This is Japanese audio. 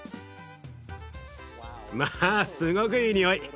まあすごくいいにおい。